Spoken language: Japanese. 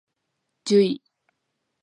じゅい